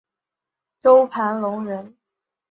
周盘龙人。